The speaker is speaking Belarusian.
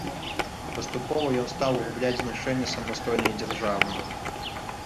Паступова ён стаў губляць значэнне самастойнай дзяржавы.